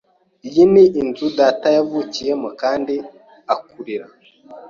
Iyi ni inzu data yavukiyemo kandi akurira.